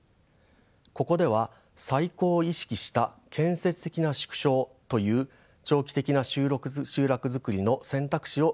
ここでは再興を意識した建設的な縮小という長期的な集落づくりの選択肢を紹介したいと思います。